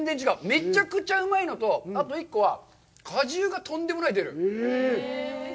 めちゃくちゃうまいのと、あと１個は果汁がとんでもない出る。